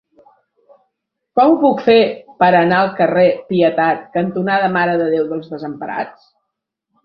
Com ho puc fer per anar al carrer Pietat cantonada Mare de Déu dels Desemparats?